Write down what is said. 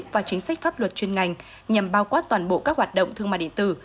và chính sách pháp luật chuyên ngành nhằm bao quát toàn bộ các hoạt động thương mại điện tử